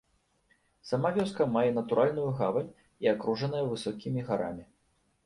Сама вёска мае натуральную гавань і акружаная высокімі гарамі.